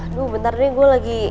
aduh bentar deh gue lagi